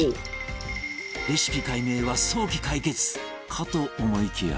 レシピ解明は早期解決かと思いきや